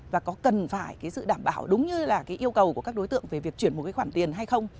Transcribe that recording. và có cần phải sự đảm bảo đúng như yêu cầu của các đối tượng về việc chuyển một khoản tiền hay không